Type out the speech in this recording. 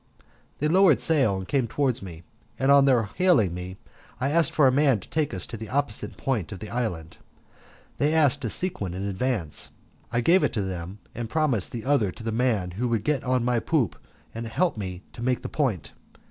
They lowered sail and came towards me, and on their hailing me I asked for a man to take us to the opposite point of the island. They asked a sequin in advance, I gave it them, and promised the other to the man who would get on my poop and help me to make the point.